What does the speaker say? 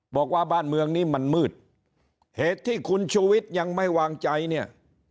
บอกว่าบ้านเมืองนี้มันมืดเหตุที่คุณชูวิทย์ยังไม่วางใจเนี่ย